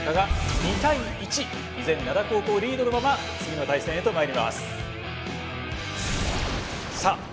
依然灘高校リードのまま次の対戦へとまいります。